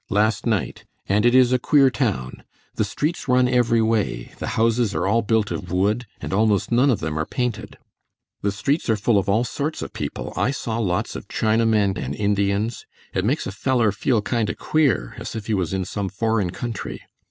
last night, and it is a queer town. The streets run every way, the houses are all built of wood, and almost none of them are painted. The streets are full of all sorts of people. I saw lots of Chinamen and Indians. It makes a feller feel kind o' queer as if he was in some foreign country.